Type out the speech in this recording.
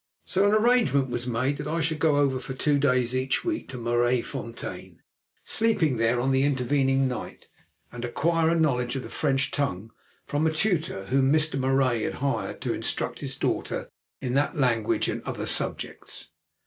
So an arrangement was made that I should go over for two days in each week to Maraisfontein, sleeping there on the intervening night, and acquire a knowledge of the French tongue from a tutor whom Mr. Marais had hired to instruct his daughter in that language and other subjects.